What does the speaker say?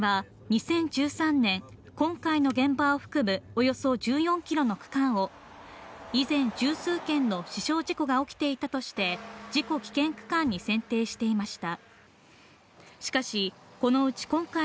国は２０１３年、今回の現場を含むおよそ１４キロの区間を、以前十数件の死傷事故が起きていたとして、事故危険区間に選定していました。